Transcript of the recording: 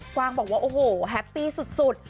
กว้างบอกว่าโอ้โหแฮปปี้สุด